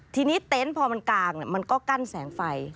ทีนี้เต็นต์พอมันกางมันก็กั้นแสงไฟ